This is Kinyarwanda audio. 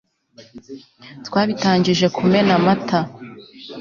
twabitangije kumena amata